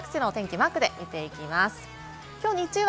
きょうの各地の天気、マークで見ていきます。